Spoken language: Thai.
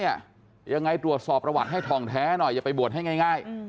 ยังไงตรวจสอบประวัติให้ถ่องแท้หน่อยอย่าไปบวชให้ง่าย